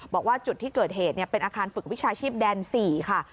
บอกว่าจุดที่เกิดเหตุเป็นอาคารฝึกวิชาชีพแดน๔ค่ะ